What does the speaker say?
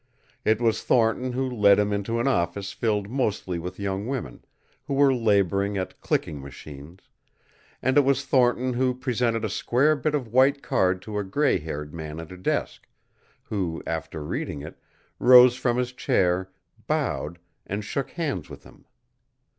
It was Thornton who led him into an office filled mostly with young women, who were laboring at clicking machines; and it was Thornton who presented a square bit of white card to a gray haired man at a desk, who, after reading it, rose from his chair, bowed, and shook hands with him.